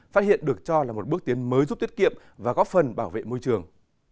phát hiện được cho là một bước tiến mới giúp tiết kiệm và góp phần bảo vệ môi trường